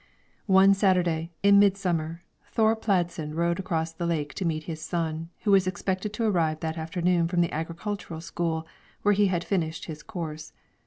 One Saturday, in midsummer, Thore Pladsen rowed across the lake to meet his son, who was expected to arrive that afternoon from the agricultural school, where he had finished his course.